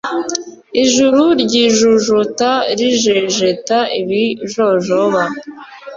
ijuru ryijujuta rijejeta ibijojoba